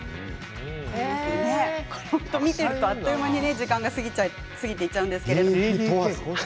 見ているとあっという間に時間を忘れていっちゃうんですけれども。